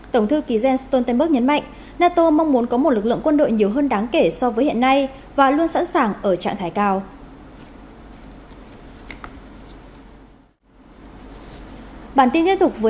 tổng thư ký jens stoltenberg nhấn mạnh nato mong muốn có một lực lượng quân đội nhiều hơn đáng kể so với hiện nay và luôn sẵn sàng ở trạng thái cao